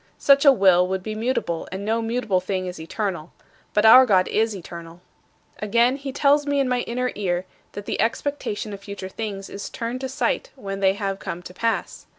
Such a will would be mutable and no mutable thing is eternal. But our God is eternal. "Again, he tells me in my inner ear that the expectation of future things is turned to sight when they have come to pass.